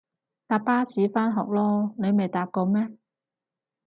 搭巴士返學囉，你未搭過咩？